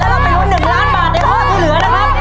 แล้วเราไปรวมหนึ่งล้านบาทในข้อนี้เหลือนะครับ